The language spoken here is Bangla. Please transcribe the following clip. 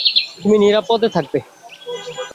তুমি নিরাপদে থাকবে।